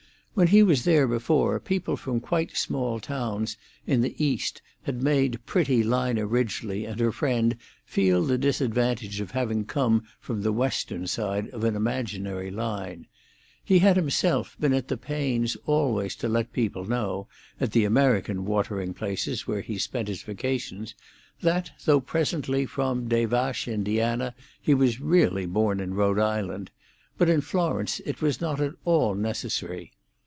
When he was there before, people from quite small towns in the East had made pretty Lina Ridgely and her friend feel the disadvantage of having come from the Western side of an imaginary line; he had himself been at the pains always to let people know, at the American watering places where he spent his vacations, that though presently from Des Vaches, Indiana, he was really born in Rhode Island; but in Florence it was not at all necessary.